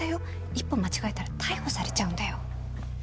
一歩間違えたら逮捕されちゃうんだよ。